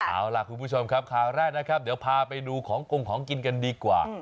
เอาล่ะคุณผู้ชมครับข่าวแรกนะครับเดี๋ยวพาไปดูของกงของกินกันดีกว่า